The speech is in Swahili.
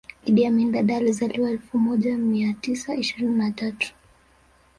Idi Amin Dada alizaliwa elfu moja mia tisa ishirini na tatu